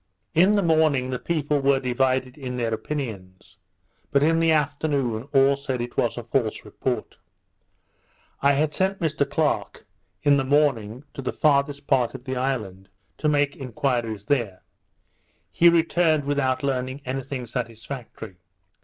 In the morning, the people were divided in their opinions; but in the afternoon, all said it was a false report. I had sent Mr Clerke, in the morning, to the farthest part of the island, to make enquiries there; he returned without learning any thing satisfactory.